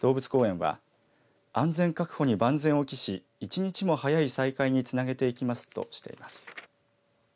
動物公園は安全確保に万全を期し一日も早い再開につなげていきますとしています。